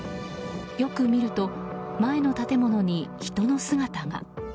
よく見ると、前の建物に人の姿が。